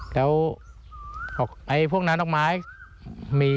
แล้วพวกนั้นดอกไม้